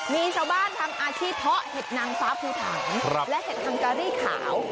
มีชาวบ้านทำอาชีพเพาะเห็ดนางฟ้าภูฐานและเห็ดฮังการี่ขาว